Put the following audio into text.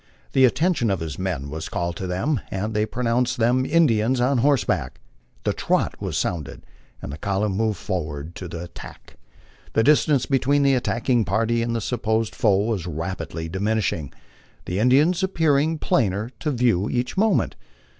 The atten tion of his men was called to them, and they pronounced them Indians OB horseback. The "trot" was sounded, and the column moved forward to the attack. The distance between the attacking party and the supposed foe was rap idly diminishing, the Indians appearing plainer to view each moment.